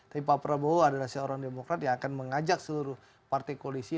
tapi pak prabowo adalah seorang demokrat yang akan mengajak seluruh partai koalisi